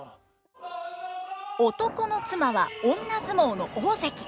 男の妻は女相撲の大関。